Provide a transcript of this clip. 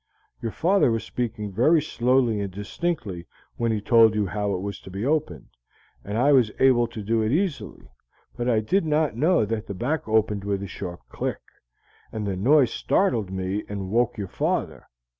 Your father was speaking very slowly and distinctly when he told you how it was to be opened, and I was able to do it easily, but I did not know that the back opened with a sharp click, and the noise startled me and woke your father.